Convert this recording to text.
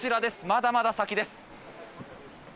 まだまだ先です。